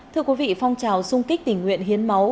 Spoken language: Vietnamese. thưa quý vị phong trào xung kích tình nguyện hiến máu